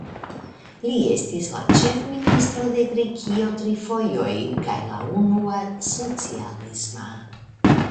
Li estis la ĉefministro de Grekio tri fojoj kaj la unua socialisma.